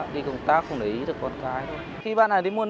đang học gì đấy